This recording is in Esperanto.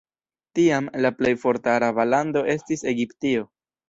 Tiam, la plej forta araba lando estis Egiptio.